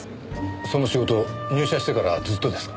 その仕事入社してからずっとですか？